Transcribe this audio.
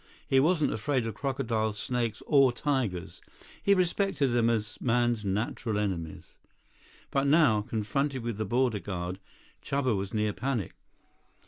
He wasn't afraid of crocodiles, snakes, or tigers. He respected them as man's natural enemies. But now, confronted with the border guard, Chuba was near panic.